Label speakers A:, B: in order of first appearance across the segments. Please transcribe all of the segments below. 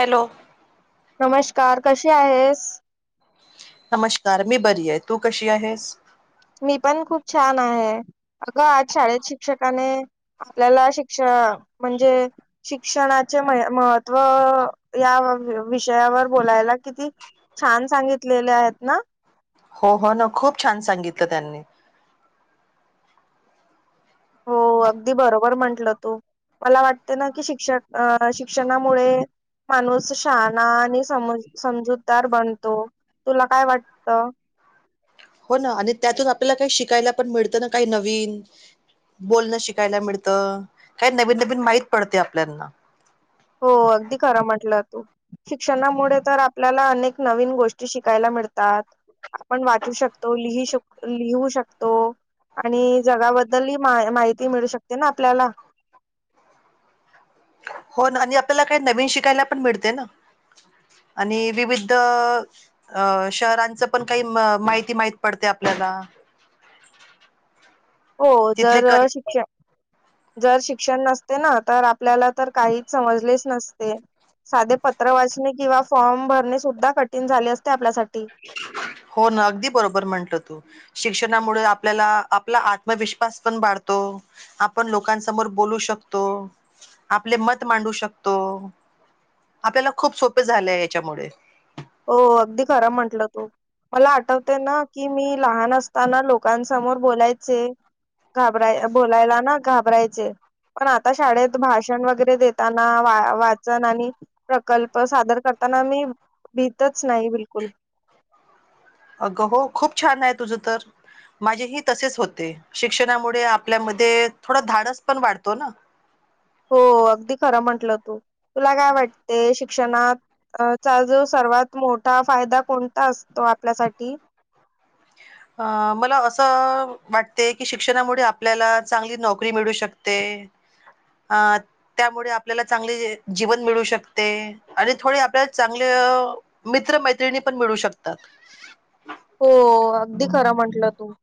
A: Hello
B: नमस्कार कशी आहेस.
A: नमस्कार मी बरी आहे तू कशी आहेस.
B: मी पण खूप छान आहे अगं आज शाळेत शिक्षकाने आपल्याला शिक्षण म्हणजे शिक्षणाचे महत्व या विषयावर - - बोलायला किती छान सांगितलेले आहेत ना?
A: हो, हो न खूप छान सांगितलं त्यांनी.
B: हो अगदी बरोबर म्हंटलं तू. मला वाटते ना की शिक्षक अ शिक्षणामुळे माणूस शहाना आणि सम समजूतदार बनतो. तुला काय वाटत?
A: हो ना आणि त्यातून आपल्याला काही शिकायला पण मिळतं ना काही नवीन. बोलणं शिकायला मिडतं. काय नवीन नवीन माहित पडते आपल्याना.
B: हो. अगदी खरां म्हटलं तू. शिक्षणामुडे तर आपल्याला अनेक नवीन गोष्टी शिकायला मिडतात. आपण वाचू शकतो. लिही शको लिहू शकतो. आणि जगाबद्दल ह मा माहिती मिळू शकते ना आपल्याला.
A: हो ना आणि आपल्याला काही नवीन शिकायला पण मिडते ना. आणि विविध शहरांच पण काही माहिती माहीत पडते आपल्या- - ला.
B: [inaudible] हो
A: तिथले
B: जर
A: क-
B: शिक्षण, जर शिक्षण नसते ना तर आपल्याला तर काहीच समजलेच नसते. साधे पत्र वाचणे किंवा फॉर्म भरणे सुद्धा कठीण झाले असते आपल्यासाठी.
A: हो ना. अगदी बरोबर म्हटलं तू. शिक्षणामुळे आपल्याला आपला आत्मविश्वास पण वाढतो. आपण लोकांसमोर बोलू शक तो. आपले मत मांडू शकतो. आपल्याला खूप सोपे झालेय याच्यामुळे.
B: हो. अगदी खरा म्हटलं तू. मला आठवते ना की मी लहान असताना लोकांसमोर बोलायचे. घाबराय बोलायला ना घाबरायचे. पण आता शाळेत भाषण वगैरे देताना. वा वाचन आणि प्रकल्प सादर कर - - ताना मी भितच नाही बिलकुल.
A: अगं हो खूप छान आहे तुझ तर माझेही तसेच होते. शिक्षणामुडेआपल्या- - मध्ये थोडा धाडस पण वाढतो ना?
B: [inaudible] हो अगदी खरं म्हंटलं तू तुला काय वाटतेयं शिक्षणात चा जो सर्वात मोठा फायदा कोणता असतो आपल्यासाठी?
A: अ मला असं वाटते की शिक्षणामुळे आपल्याला चांगली नोकरी मिळू शकते. [inaudible] अ त्यामुळे आपल्याला चांगले जीवन मिळू शकते आणि थोडी आपल्याला चांगले हो. मित्र मैत्रिणी पण मिळू शकतात.
B: हो अगदी खरं म्हंटलं तू.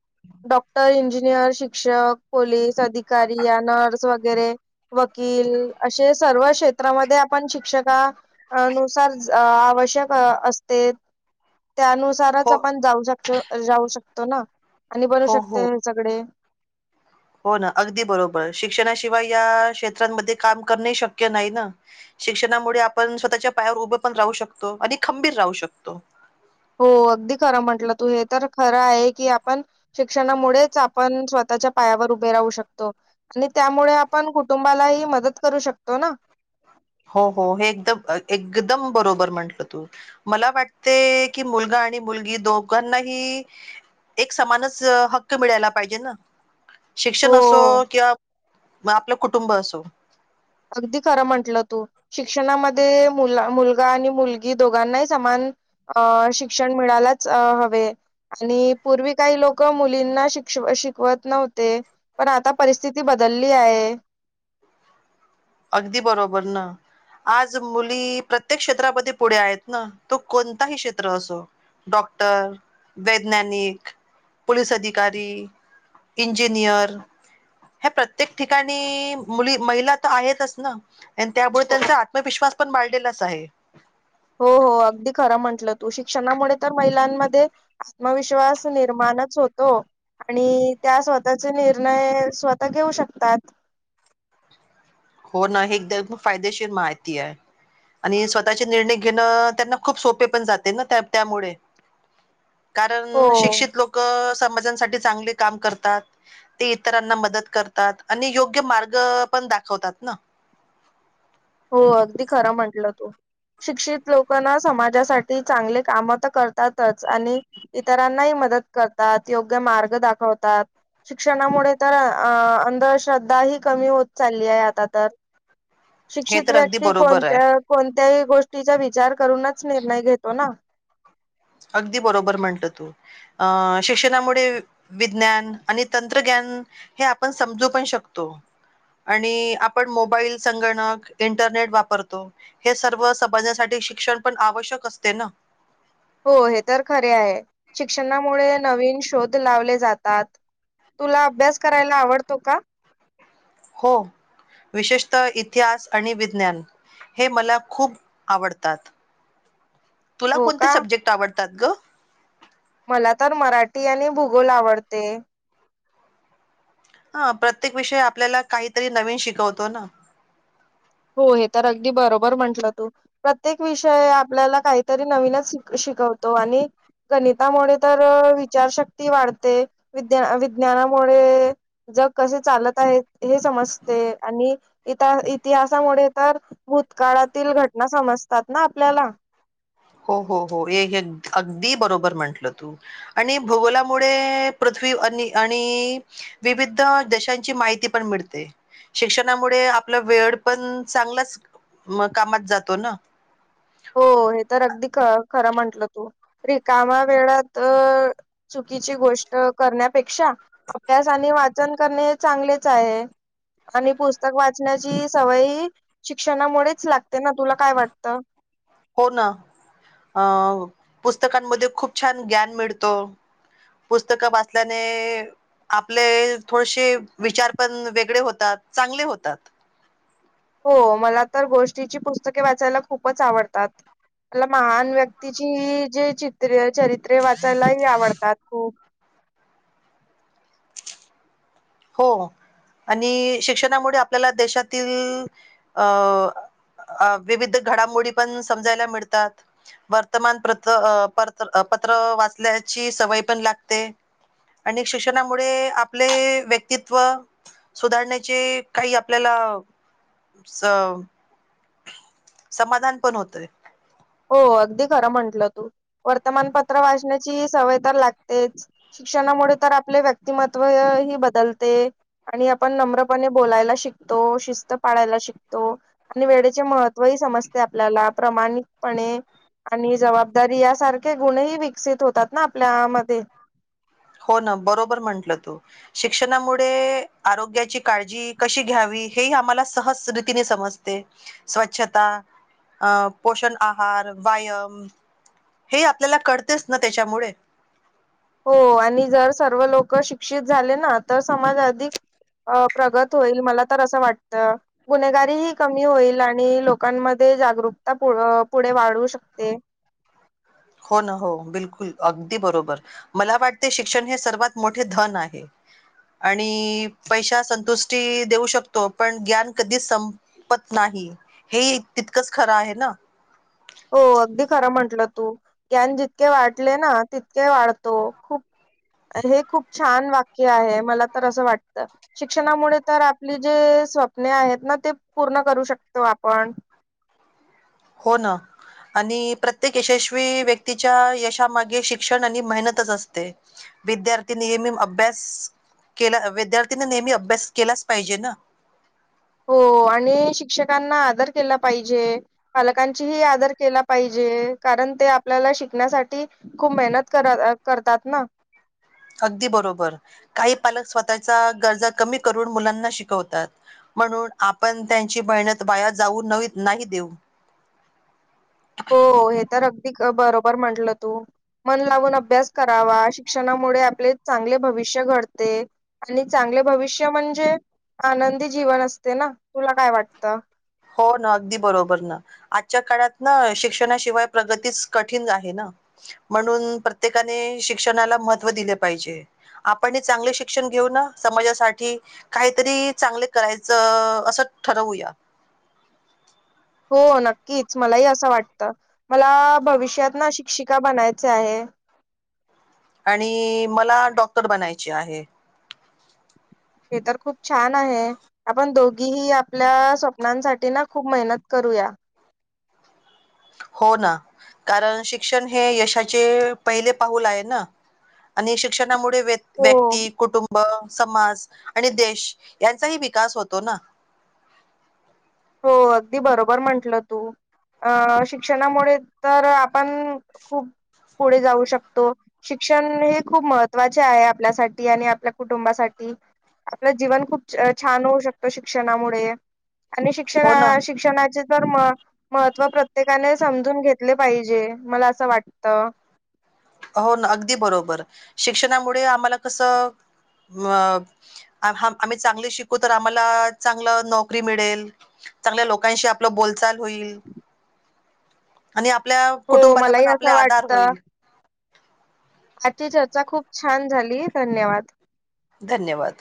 B: डॉक्टर, इंजिनियर, शिक्षक, पोलीस, अधिकारी या नर्स वगैरे वकील - - असे सर्व क्षेत्रामध्ये आपण शिक्षका - - नुसार आवश्यक असते. त्यानुसारच
A: हो
B: आपण जाऊ जाऊ शकतो ना? आणि बनू
A: हो
B: शकते
A: हो
B: हेनच्याकडे
A: हो ना. अगदी बरोबर. शिक्षणाशिवाय या क्षेत्रांमध्ये काम करणे शक्य नाही ना. शिक्षणामुळे आपण स्वतःच्या पायावर उभं पण राहू शकतो आणि खंबीर राहू शकतो.
B: हो. अगदी खरं म्हटल तू हे तर खर आहे की आपण शिक्षणा मुळेच आपण स्वतःच्या पायावर उभे राहू शकतो आणि त्यामुळे आपण कुटुंबालाही मदत करू शकतो ना?
A: हो, हो. एकदम एकदम बरोबर म्हंटलं तू मला वाटते की मुलगा - - मुलगी दोघांना ह एक समानच हक्क मिळायला पाहिजे ना? शिक्षण असो
B: हो.
A: किंवा आपलं कुटुंब असो
B: अगदी खर आहे तुमचं कारण शिक्षण म्हणजे मुलगा मुलगी या दोघांना समान शिक्षण यायला पाहिजे आवश्यक ते शिक्षण मिळालाच पाहिजे पूर्वी काही लोकं मुलांना शिकवत नव्हती पण आता तशी परिस्थिती राहिलेली नाही परिस्थितीत बदल झालेला आहे मुली आहेत
A: अगदी बरोबर ना आज मुली कोणत्या क्षेत्रात पुढे आहे तो कोणताही क्षेत्र असो डॉक्टर असो वैज्ञानिक किंवा पोलीस अधिकारी कोणताही शिक्षण असो प्रत्येक ठिकाणी मुलगी यशस्वी होते मुली या शिक्षणात हुशार आहेतच ना त्यामुळे
B: हो
A: त्यांनी आत्मविश्वास हा त्यांच्या अंगी बाळगलेला आहे
B: हो हो शिक्षणाचा हा महिलांमध्ये आत्मविश्वास जास्तच असतो मुली ह्या स्वतःचा निर्णय स्वतःच घेऊ शकता
A: हो ना हे एकदम फायदेशीर माहिती आहे मुलीचे शिक्षण चांगले असल्यामुळे त्यांना निर्णय घेणे खूप सोपे जाते कारण
B: हो
A: शिक्षित लोक समाजांसाठी चांगले काम करतात शिकलेले लोक इतरांना मदत पण करतात आणि मार्ग पण दाखवतात हो ना
B: हो खरं आहे तुझं शिक्षित लोक हे इतरांसाठी चांगले काम पण करतात आणि मार्ग पण चांगला दाखवतात मदत करतात योग्य मार्ग दाखवतात शिक्षणामुळे तर अं अंधश्रद्धा ह कमी होत चालली आहे आता तर
A: हे
B: सुशिक्षित
A: तर अगदी
B: व्यक्ती आपल्या
A: बरोबर
B: घरातील
A: आहे
B: व्यक्ती सुशिक्षित असले पाहिजे याचा विचार करतात पूर्ण विचार करूनच निर्णय घेतात
A: विज्ञान आणि तंत्रज्ञान याच्यामुळे समाज खूप पुढे गेलेला आहे हे आपण समजू पण शकतो आणि आपण मोबाईल संगणक इंटरनेट वापरतो हे सर्व समाजासाठी खूप सोपं झालेला आहे शिक्षण पण आवश्यक असते ना
B: हो हे तर खरे आहे शिक्षणामुळे नवीन शोध लावले जातात तुला अभ्यास करायला आवडतो का हो आवडतो ना
A: विशेष म्हणजे विज्ञान आणि इतिहास जास्त आवडते हे मला खूप आवडतात तुला
B: हो
A: कोणते
B: का?
A: सब्जेक्ट आवडतात ग
B: मला तर मराठी आणि भूगोल आवडते
A: प्रत्येक विषय हा आपल्याला काहीतरी नवीन शिकवतो
B: हो हे तर अगदी बरोबर म्हंटलं तू प्रत्येक विषय आपल्याला काहीतरी नवीनच शिकवतो आणि मी समजून पण घेतो गणितामुळे तर विचारशक्ती वाढते विज्ञ विज्ञानामुळे तर सामान्य ज्ञान मिळते जगात लोक कसे वापरत आहात हे समजते इतिहासामुळे तर भूतकाळातील घटना समजतात ना आपल्याला हो
A: हो हो हो अगदी बरोबर म्हंटलं तू आणि भूगोलामुळे मागचं घडलेली माहित होत आणि विविध देशांची माहिती पण मिळते शिक्षणामुळे आपला वेळ पण चांगलाच कामात जातो ना
B: हो हे तर अगदी ख खरं म्हंटलं तू रिकामा वेळात च सामान्य ज्ञान मिळतं चुकीची गोष्ट करण्यापेक्षा अभ्यास आणि वाचन करणे चांगलेच आहे आणि पुस्तक वाचण्याची सवय ह शिक्षणामुळेच लागते ना तुला काय वाटतं
A: हो ना शिक्षणामुळे खूप छान ज्ञान मिळतो पुस्तकं वाचल्याने आपले थोडेसे विचार पण चांगले होतात
B: हो मला तर गोष्टीची वाचायला खूपच आवडतात मला महान व्यक्तीची जे चित्रे चरित्रे वाचायलाही आवडतात खूप
A: हो आणि शिक्षणामुळे आपल्याला देशातील अ अ विविध घडामोडी पण समजायला मिळतात वर्तमान [inaudible] पत्र वाचल्याची सवय पण लागते आणि शिक्षणामुळे आपले [inaudible] कितव सुधारण्याची काही आपल्याला स समाधान पण होतोय
B: हो अगदी खरं म्हंटलं तू वर्तमानपत्र वाचण्याची सवय तर लागतेच शिक्षणामुळे तर आपले व्यक्तिमत्वय ही बदलते आणि आपण नम्रपणे बोलायला शिकतो शिस्त पाळायला शिकतो आणि वेळेचे महत्त्व समजते आपल्याला प्रमाणीत पणे आणि जबाबदारी यासारखे गुणही विकसित होतात ना आपल्या मध्ये [inaudible]
A: हो ना बरोबर म्हंटल तू शिक्षणामुळे आरोग्याची काळजी कशी घ्यावी हे ही आम्हाला सहज रीतीने समजते स्वछता अ पोषण आहार वायम हे ही आपल्याला कळतेच ना त्याच्यामुळे
B: हो आणि जर सर्व लोक शिक्षित झाले ना तर समज अधिक अ प्रगत होईल मला तर असं वाटत गुन्हेगारीही कमी होईल आणि लोकांन मध्ये जागरूकता पुढ पुढे वाढू शकते
A: हो ना हो बिलकुल अगदी बरोबर मला वाटते शिक्षण हे सर्वात मोठे धन आहे [inaudible] आणि पैश्या संतुष्टी देऊ शकतो पण घ्यान कधीच संपत नाही हे ही तितकंच खरं आहे ना
B: [inaudible] हो अगदी खरं म्हंटलं तू घ्यान जितके वाटले ना तितके वाढतो खूप हे खूप छान वाक्य आहे मला तर असं वाटत शिक्षणामुळे तर आपली जे स्वप्ने आहेत ना ते पूर्ण करू शकतो आपण
A: हो ना आणि प्रत्येक यशस्वी व्यक्तीच्या यशामागे शिक्षण आणि मेहनतच असते विद्यार्थी नियमेम अभ्यास केल अ विद्यार्थीनी नेहमी अभ्यास केलाच पाहिजे ना
B: हो पोरांनी शिक्षकांना आदर केला पाहिजे पालकांची ही आदर केला पाहिजे कारण ते आपल्याला शिकण्यासाठी खूप मेहनत [inaudible] कर करतात ना
A: अगदी बरोबर काही पालक स्वतःच्या गरजा कमी करून मुलांना शिकवतात म्हणून आपण त्यांची मेहनत वाया जाऊ नवी नाही देऊ
B: हो हे तर अगदी बरोबर म्हंटलं तु मन लावून अभ्यास करावा शिक्षणामुळे आपले चांगले भविष्य घडते आणि चांग आपले भविष्य म्हणजे आनंदी जीवन असते ना तुला काय वाटत
A: हो ना अगदी बरोबर ना आजच्या काळात ना शिक्षणाशिवाय प्रगतीच कठीण झाली ना म्हणून प्रत्येकाने शिक्षणाला महत्त्व दिले पाहिजे आपणही चांगले शिक्षण घेऊ ना समाजासाठी काही तरी चांगले करायचं असं ठरवूया
B: हो नक्कीच मला ही असं वाटतं मला भविष्यात ना शिक्षिका बनायचे आहे [inaudible]
A: आणि मला डॉक्टर बनायची आहे
B: हे तर खूप छान आहे आपण दोघी ही आपल्या स्वप्नांसाठी ना खूप मेहनत करू तू या
A: हो ना कारण शिक्षण हे यशाचे पहिले पाऊल आहे ना. आणि शिक्षणामुळे व
B: हो.
A: व्यक्ती कुटुंब.. समाज आणि देश यांचाही विकास होतो ना.
B: हो अगदी बरोबर म्हंटलं तू. अ शिक्षणामुळे तर आपण खूप पुढे जाऊ शकतो शिक्षण हे खूप महत्वाचे आहे आपल्यासाठी आणि आपल्या कुटुंबासाठी. आपलं जीवन खूप छान होऊ शकतो शिक्षणामुळे. आणि शिक्षण
A: हो ना.
B: शिक्षणाचे तर म महत्त्व प्रत्येकाने समजून घेतले पाहिजे मला असं वाटत. रिकामा ऑडिओ
A: हो ना अगदी बरोबर शिक्षणामुळे आम्हाला कसं.. अ आम्ही चांगले शिकू तर आम्हाला चांगलं नोकरी मिळेल. चांगल्या लोकांशी आपलं बोलचाल होईल. आणि आपल्या
B: हो
A: कुटुंबाला
B: मलाही
A: पण आपले
B: असं
A: आधार
B: वाटतं.
A: होईल.
B: ती चर्चा खूप छान झाली धन्यवाद.
A: धन्यवाद.